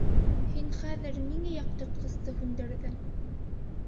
Һин хәҙер ниңә яҡтыртғысты һүндерҙең?